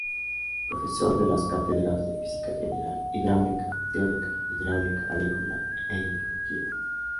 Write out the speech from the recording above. Profesor de las cátedras de Física General, Hidráulica Teórica, Hidráulica Agrícola e Hidrología.